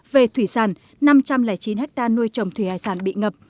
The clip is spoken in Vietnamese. về thủy sàn năm trăm linh chín hecta nuôi trồng thủy hải sản bị ngập